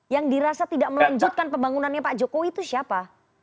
yang dirasa tidak melanjutkan pembangunannya pak jokowi itu siapa